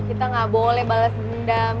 kita nggak boleh balas dendam